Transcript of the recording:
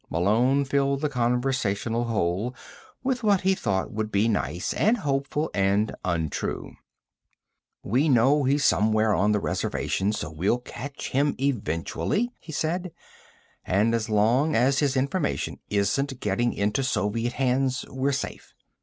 Malone filled the conversational hole with what he thought would be nice, and hopeful, and untrue. "We know he's someone on the reservation, so we'll catch him eventually," he said. "And as long as his information isn't getting into Soviet hands, we're safe."